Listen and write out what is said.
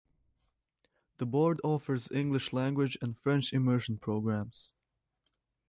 The Board offers English language and French Immersion programs.